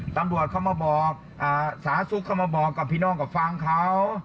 ตำรวจเขามาบอกสาธารณสุขเขามาบอกกับพี่น้องกับฟังเขา